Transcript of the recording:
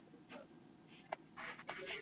Ndio uliosababisha kamati ya kupendekeza Katiba